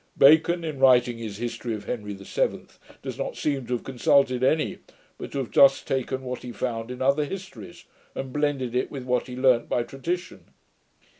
Bacon, in writing his History of Henry VII, does not seem to have consulted any, but to have just taken what he found in other histories, and blended it with what he learnt by tradition.'